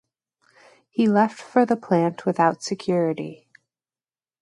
He left for the plant without security.